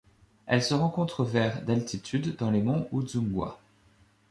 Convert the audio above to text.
Elle se rencontre vers d'altitude dans les monts Udzungwa.